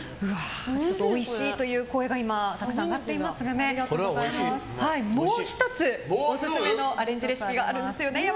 おいしいという声がたくさん上がっていますがもう１つオススメのアレンジレシピあるんですよね。